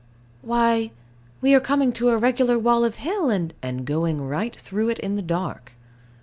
Why, we are coming to a regular wall of hill, and And going right through it in the dark.